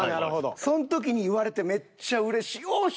そん時に言われてめっちゃうれしいよし！